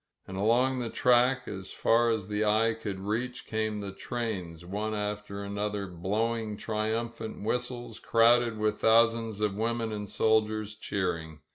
And along the track, as far as the eye could reach, came the trains, one after another, blowing triumphant whistles, crowded with thousands of women and soldiers cheering.